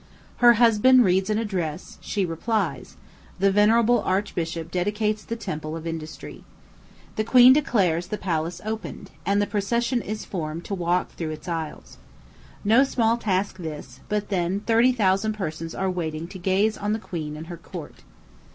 Her husband reads an address; she replies; the venerable archbishop dedicates the Temple of Industry. The queen declares the palace opened, and the procession is formed to walk through its aisles. No small task this; but then thirty thousand persons are waiting to gaze on the queen and her court.